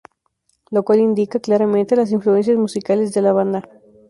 Lo cual indica claramente las influencias musicales de la banda.